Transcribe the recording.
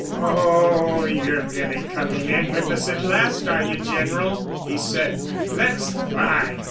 "Oh, you're really coming in with us at last, are you, General?" he said. "That's fine!"